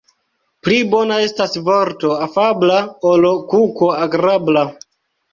Pli bona estas vorto afabla, ol kuko agrabla.